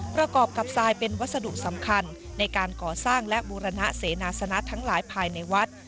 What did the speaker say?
ประกอบกับทรายเป็นวัสดุสำคัญในการก่อสร้างและบูรณะเสนาสนะทั้งหลายภายในวัด